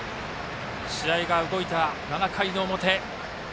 試合が動いた７回の表。